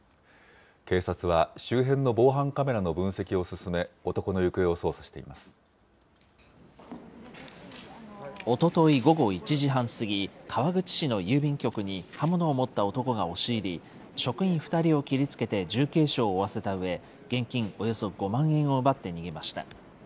警察は周辺の防犯カメラの分析をおととい午後１時半過ぎ、川口市の郵便局に刃物を持った男が押し入り、職員２人を切りつけて重軽傷を負わせたうえ、現金およそ５万円を奪って逃げました。